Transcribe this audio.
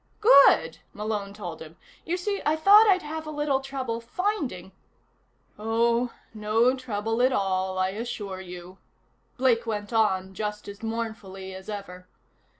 "Good," Malone told him. "You see, I thought I'd have a little trouble finding " "Oh, no trouble at all, I assure you," Blake went on, just as mournfully as ever.